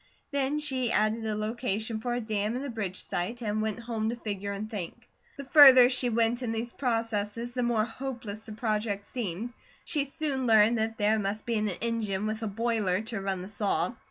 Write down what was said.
Then she added a location for a dam and a bridge site, and went home to figure and think. The further she went in these processes the more hopeless the project seemed. She soon learned that there must be an engine with a boiler to run the saw.